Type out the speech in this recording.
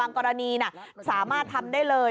กรณีสามารถทำได้เลย